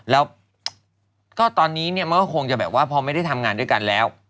แล้วก็ตอนนี้เนี่ยมันก็คงจะแบบว่าพอไม่ได้ทำงานด้วยกันแล้ว